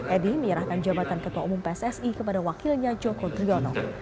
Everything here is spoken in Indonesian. edi menyerahkan jabatan ketua umum pssi kepada wakilnya joko driono